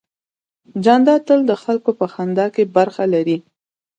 جانداد تل د خلکو په خندا کې برخه لري.